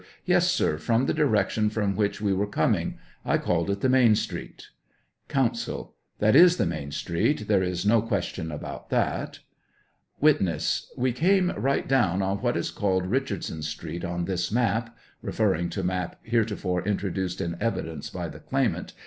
Yes, sir ; from the direction from which we were coming ; I called it the main street. Counsel. That is the main street, there is no question about that. 94 Witness. We came right down on what is called Eichardson street on this map, (referring to. map here tofore introduced in evidence by the claimant